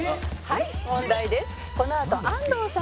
「はい問題です」